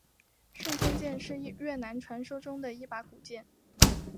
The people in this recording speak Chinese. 顺天剑是越南传说中的一把古剑。